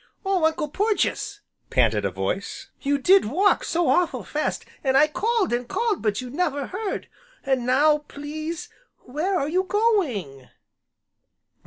"Oh Uncle Porges!" panted a voice, "you did walk so awful fast, an' I called, an' called, but you never heard. An' now, please, where are you going?"